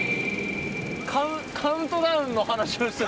『カウントダウン』の話をしてたら。